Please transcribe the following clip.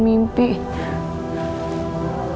mas iq i